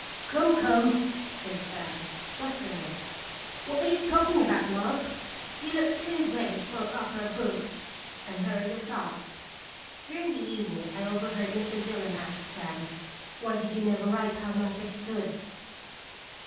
"Come, come," said Sam, bustling in, "what are you talking about, Mark? You look too grave for opera bouffe," and hurried us off. During the evening I overheard Mr. Dillon ask Sam, "Why did you never write how matters stood?"